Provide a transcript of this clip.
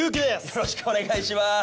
よろしくお願いします。